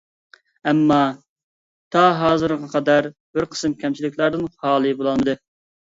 ئەمما تا ھازىرغا قەدەر بىر قىسىم كەمچىلىكلەردىن خالى بولالمىدى.